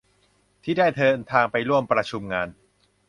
ที่ได้เดินทางไปร่วมประชุมงาน